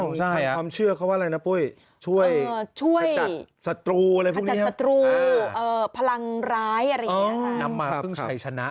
ความเชื่อเขาว่าอะไรนะปุ๊ยช่วยแผ้จจัดสัจตรูอะไรพวกนี้ครับนับมาทึ่งชัยชนะ